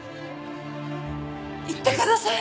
行ってください。